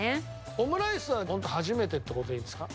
オムライスは初めてって事でいいんですか？